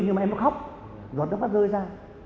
nhưng mà em ấy khóc giọt nước mắt rơi ra